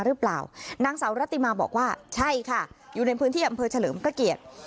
หรือเปล่านางสาวรัติมาบอกว่าใช่ค่ะอยู่ในพื้นที่อำเภอเฉลิมพระเกียรติ